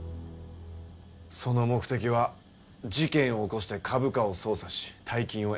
その目的は事件を起こして株価を操作し大金を得る事だった。